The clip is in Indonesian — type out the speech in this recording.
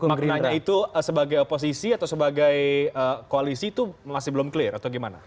maknanya itu sebagai oposisi atau sebagai koalisi itu masih belum clear atau gimana